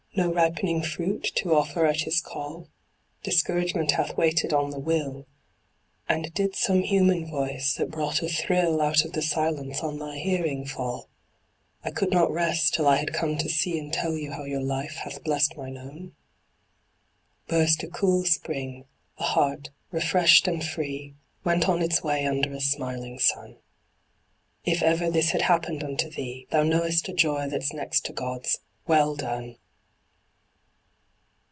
No ripening fruit to offer at His call, Discouragement hath waited on the will ; And did some human voice, that bro't a thrill Out of the silence, on thy hearing fall: '' I could not rest till I had come to see And tell you how your life hath blessed mine own ''? Burst a cool spring; the heart, refreshed and free, Went on its way under a smiling sun. If ever this had happened unto thee, Thou knowest a joy that's next to God's "Well done!